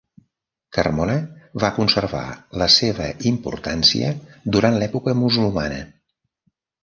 Carmona va conservar la seva importància durant l'època musulmana.